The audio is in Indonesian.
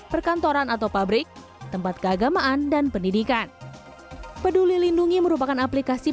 perkantoran atau pabrik tempat keagamaan dan pendidikan peduli lindungi merupakan aplikasi